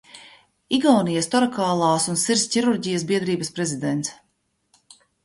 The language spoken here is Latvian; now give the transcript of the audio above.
Igaunijas Torakālās un Sirds ķirurģijas biedrības prezidents.